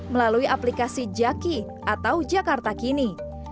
melalui aplikasi jaki atau jakarta kini